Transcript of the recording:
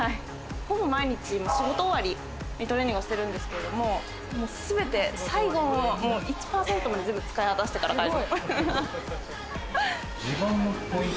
ほぼ毎日、仕事終わりにトレーニングをしているんですけれども、全て最後の１％まで全部使い果たしてから帰る。